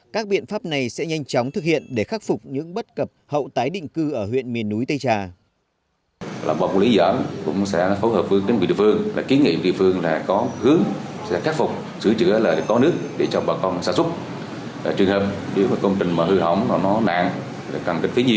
các biện pháp này sẽ nhanh chóng thực hiện để khắc phục những bất cập hậu tái định cư ở huyện miền núi tây trà